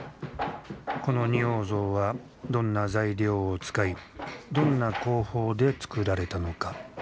この仁王像はどんな材料を使いどんな工法でつくられたのか。